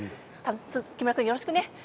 木村くん、よろしくね。